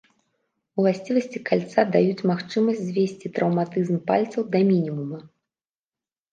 Уласцівасці кальца даюць магчымасць звесці траўматызм пальцаў да мінімуму.